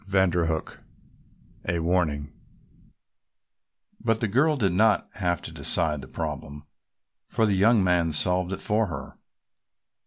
CHAPTER XV A WARNING But the girl did not have to decide the problem, for the young man solved it for her.